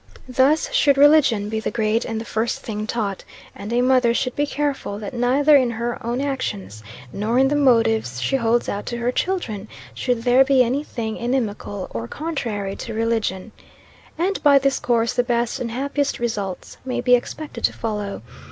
Thus should religion be the great and the first thing taught; and a mother should be careful that neither in her own actions, nor in the motives she holds out to her children, should there be any thing inimical or contrary to religion. And by this course the best and happiest results may be expected to follow.